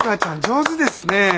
上手ですね。